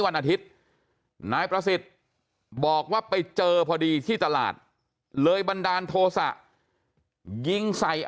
วันอาทิตย์นายประสิทธิ์บอกว่าไปเจอพอดีที่ตลาดเลยบันดาลโทษะยิงใส่